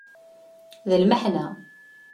D lmeḥna.